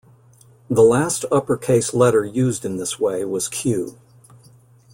The last upper-case letter used in this way was "Q".